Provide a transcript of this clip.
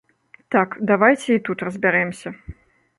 Так, давайце і тут разбярэмся.